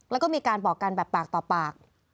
แล้วก็มีการบอกกันแบบปากต่อปาก